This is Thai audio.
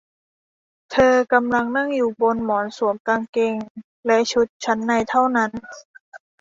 เธอกำลังนั่งอยู่บนหมอนสวมกางเกงและชุดชั้นในเท่านั้น